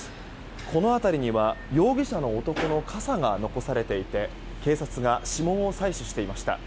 この辺りには容疑者の男の傘が残されていて警察が指紋を採取していました。